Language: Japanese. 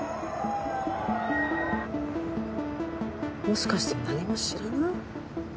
もしかして何も知らない？